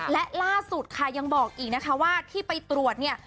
และล่าสุดค่ะยังบอกอีกนะคะว่าที่ไปตรวจเนี่ย